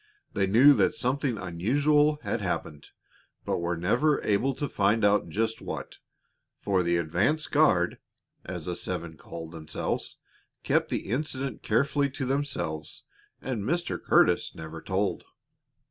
They knew that something unusual had happened, but were never able to find out just what, for the "advance guard," as the seven called themselves, kept the incident carefully to themselves, and Mr. Curtis never told.